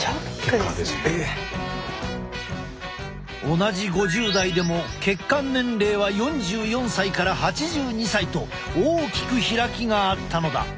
同じ５０代でも血管年齢は４４歳から８２歳と大きく開きがあったのだ。